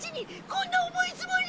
こんな重いつぼに！